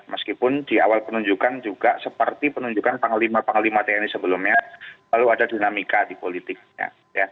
meskipun di awal penunjukan juga seperti penunjukan panglima panglima tni sebelumnya lalu ada dinamika di politiknya